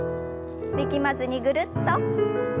力まずにぐるっと。